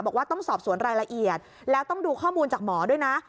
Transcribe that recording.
บอกว่าต้องสอบสวนรายละเอียดแล้วต้องดูข้อมูลจากหมอด้วยนะ